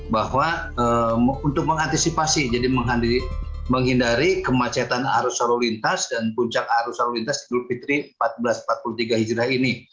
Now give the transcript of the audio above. bahwa untuk mengantisipasi jadi menghindari kemacetan arus lalu lintas dan puncak arus lalu lintas idul fitri seribu empat ratus empat puluh tiga hijrah ini